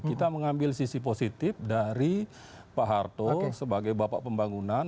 kita mengambil sisi positif dari pak harto sebagai bapak pembangunan